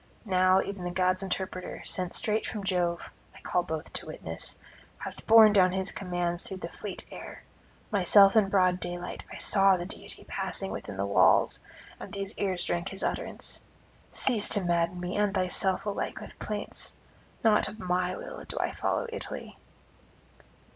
Now even the gods' interpreter, sent straight from Jove I call both to witness hath borne down his commands through the fleet air. Myself in broad daylight I saw the deity passing within the walls, and these ears drank his utterance. Cease to madden me and thyself alike with plaints. Not of my will do I follow Italy.